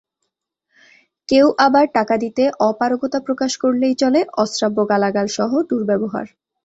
কেউ আবার টাকা দিতে অপারগতা প্রকাশ করলেই চলে অশ্রাব্য গালাগালসহ দুর্ব্যবহার।